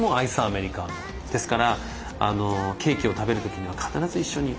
ですからケーキを食べる時には必ず一緒に